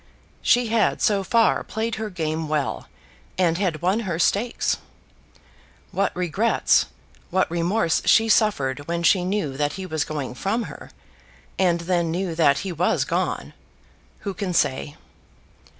She had so far played her game well, and had won her stakes. What regrets, what remorse she suffered when she knew that he was going from her, and then knew that he was gone, who can say?